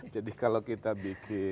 jadi kalau kita bikin